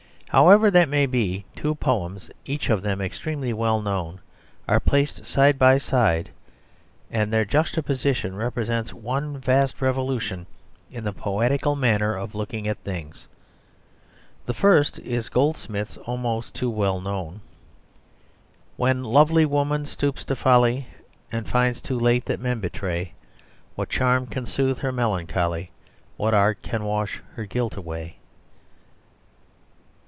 However that may be, two poems, each of them extremely well known, are placed side by side, and their juxtaposition represents one vast revolution in the poetical manner of looking at things. The first is Goldsmith's almost too well known "When lovely woman stoops to folly, And finds too late that men betray, What charm can soothe her melancholy? What art can wash her guilt away?"